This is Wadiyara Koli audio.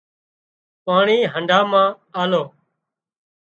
پاڻي هنڍا مان آلو